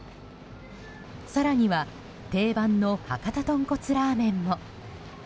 更には定番の博多豚骨ラーメンも。